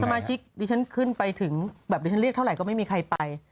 ดิฉันขึ้นไปถึงแบบดิฉันเรียกเท่าไหร่ก็ไม่มีใครไป